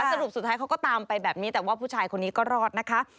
สรุปสุดท้ายเขาก็ตามไปแบบนี้แต่ว่าผู้ชายคนนี้ก็รอดนะคะ